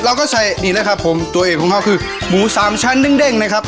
เราก็ใส่นี่นะครับผมตัวเอกของเขาคือหมูสามชั้นเด้งนะครับ